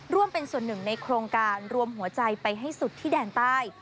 ร่วมเป็นส่วนหนึ่งในโครงการรวมหัวใจไปให้สุดที่แดนใต้